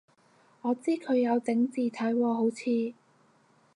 我知佢有整字體喎好似